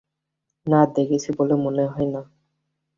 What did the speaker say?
না, দেখেছি বলে মনে হয় না।